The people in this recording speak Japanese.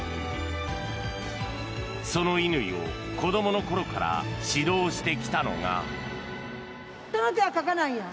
その乾を子供のころから指導してきたのが。